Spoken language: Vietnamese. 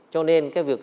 cho nên cái việc